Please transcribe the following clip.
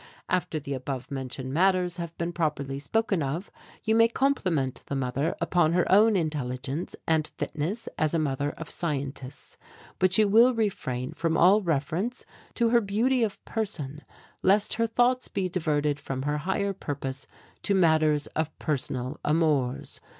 "After the above mentioned matters have been properly spoken of, you may compliment the mother upon her own intelligence and fitness as a mother of scientists. But you will refrain from all reference to her beauty of person, lest her thoughts be diverted from her higher purpose to matters of personal amours.